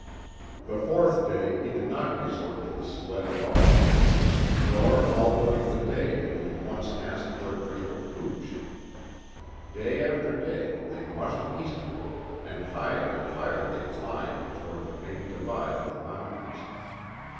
The fourth day he did not resort to the sled at all. Nor all during the day did he once ask for a drink of hooch. Day after day they mushed eastward, and higher and higher they climbed toward the main divide of the mountains.